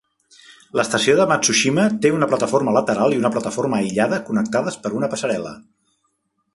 L'estació de Matsushima té una plataforma lateral i una plataforma aïllada connectades per una passarel·la.